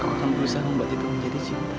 aku akan berusaha membantu kamu menjadi cinta